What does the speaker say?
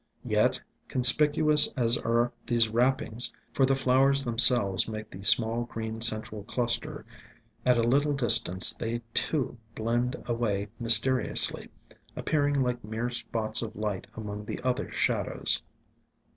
Yet, con spicuous as are these wrappings, for the flowers themselves make the small green central cluster, at a little distance they too blend away mysteri ously, appearing like mere spots of light among the other shadows.